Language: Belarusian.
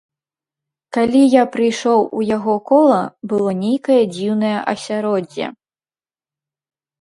Калі я прыйшоў у яго кола, было нейкае дзіўнае асяроддзе.